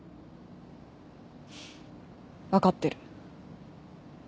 分かってる。